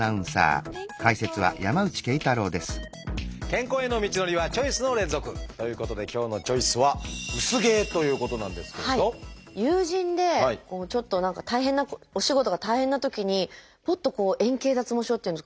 健康への道のりはチョイスの連続！ということで今日の「チョイス」は友人でちょっと大変なお仕事が大変なときにぽっとこう円形脱毛症っていうんですか。